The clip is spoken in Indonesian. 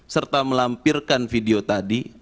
serta melampirkan video tadi